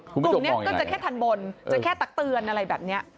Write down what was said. กลุ่มนี้ก็จะแค่ทันบนจะแค่ตักเตือนอะไรแบบนี้